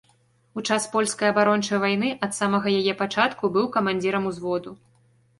У час польскай абарончай вайны ад самага яе пачатку, быў камандзірам узводу.